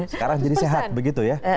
sekarang jadi sehat begitu ya